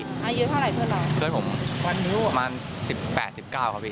อายุเท่าไหร่เพื่อนเราเพื่อนผมอายุประมาณสิบแปดสิบเก้าครับพี่